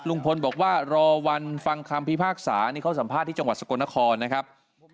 ลุงพลบอกว่ารอวันฟังคำพิพากษานี่เขาสัมภาษณ์ที่จังหวัดสกลนครนะครับ